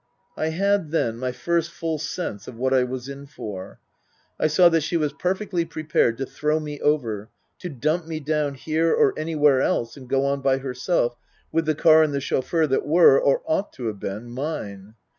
'' I had then my first full sense of what I was in for. I saw that she was perfectly prepared to throw me over, to dump me down here or anywhere else and go on by herself with the car and the chauffeur that were, or ought to have been, mine.